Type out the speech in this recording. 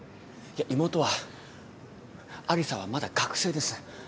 いや妹は有沙はまだ学生です。